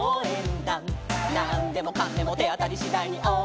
「なんでもかんでもてあたりしだいにおうえんだ！！」